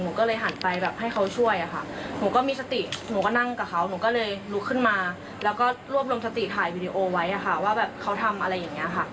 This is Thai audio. หนูก็เลยหันไปแบบให้เขาช่วยค่ะหนูก็มีสติหนูก็นั่งกับเขา